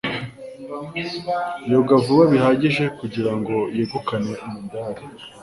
Yoga vuba bihagije kugirango yegukane umudari.